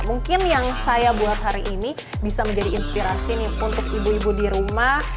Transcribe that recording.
mungkin yang saya buat hari ini bisa menjadi inspirasi nih untuk ibu ibu di rumah